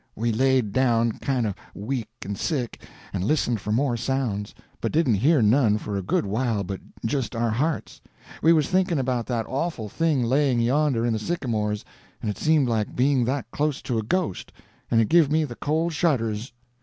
We laid down, kind of weak and sick, and listened for more sounds, but didn't hear none for a good while but just our hearts. We was thinking of that awful thing laying yonder in the sycamores, and it seemed like being that close to a ghost, and it give me the cold shudders.